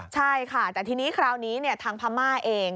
ใช่ค่ะแต่ทีนี้คราวนี้ทางพม่าเอง